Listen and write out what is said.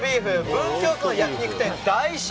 文京区の焼き肉店大翔